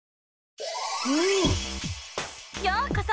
ようこそ！